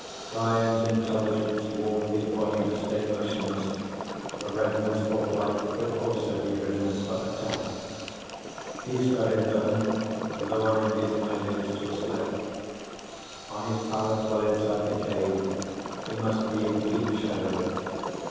Brian's intelligence warned his body to stay motionless, for readiness for flight could also be readiness for attack. He studied them, lowering his eyelids to a slit. On his pallet well inside the cave, he must be in deep shadow.